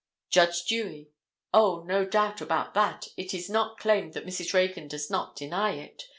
Judge Dewey; "O, no doubt about that. It is not claimed that Mrs. Reagan does not deny it.